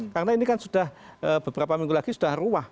karena ini kan sudah beberapa minggu lagi sudah rumah